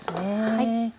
はい。